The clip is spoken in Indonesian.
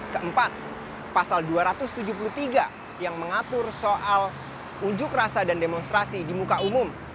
keempat pasal dua ratus tujuh puluh tiga yang mengatur soal unjuk rasa dan demonstrasi di muka umum